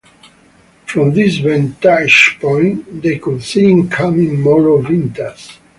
From this vantage point, they could see incoming Moro vintas.